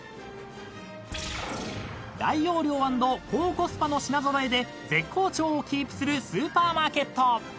［大容量＆高コスパの品揃えで絶好調をキープするスーパーマーケット］